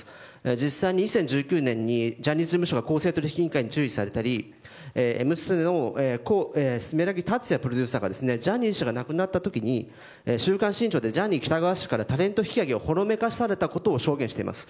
実際、過去にもジャニーズ事務所が公正取引委員会に注意されたり「Ｍステ」のプロデューサーがジャニーさんが亡くなった時に「週刊新潮」でジャニー喜多川さんからタレント引き上げをほのめかされたことを証言しています。